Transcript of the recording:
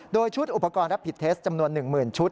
โดยชุดอุปกรณ์รับผิดเทสจำนวนหนึ่งหมื่นชุด